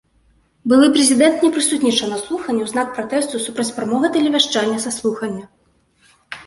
Былы прэзідэнт не прысутнічаў на слуханні ў знак пратэсту супраць прамога тэлевяшчання са слухання.